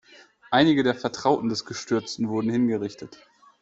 Einige der Vertrauten des Gestürzten wurden hingerichtet.